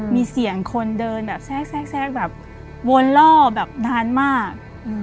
มีเสียงคนเดินแบบแทรกแบบวนล่อแบบนานมาก